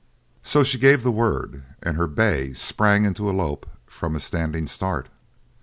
So she gave the word, and her bay sprang into a lope from a standing start.